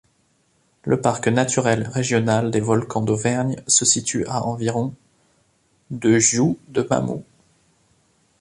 Le parc naturel régional des volcans d'Auvergne se situe à environ de Giou-de-Mamou.